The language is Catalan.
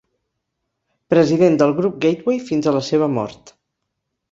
President del grup Gateway fins a la seva mort.